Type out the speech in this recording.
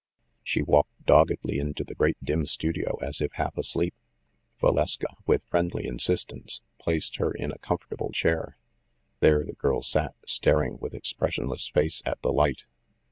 She walked doggedly into the great dim studio, as if half asleep. Valeska, with friendly insistence, placed her in a comfortable chair. There the girl sat, staring with expressionless face at the light.